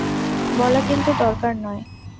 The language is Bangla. বলা কিন্তু দরকার, নয়?